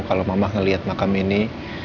kalau mama ngelihat makam ini